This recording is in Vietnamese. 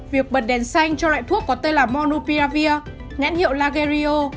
việc bật đèn xanh cho loại thuốc có tên là monopiravir ngãn hiệu lagerio